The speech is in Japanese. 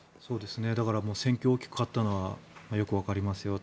だから戦況が大きく変わったのはよくわかりますよと。